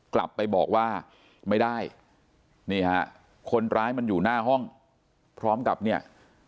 กลับไปบอกว่าไม่ได้นี่ฮะคนร้ายมันอยู่หน้าห้องพร้อมกับเนี่ย